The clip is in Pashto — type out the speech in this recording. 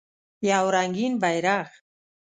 یو رنګین بیرغ